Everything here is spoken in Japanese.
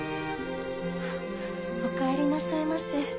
あっお帰りなさいませ。